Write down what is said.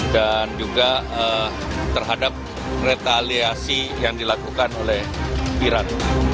dan juga terhadap retaliasi yang dilakukan oleh iran